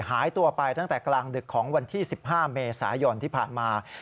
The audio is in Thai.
หายตัวไปตั้งแต่กลางดึกของวันที่๑๕เมษายนที่ผ่านมา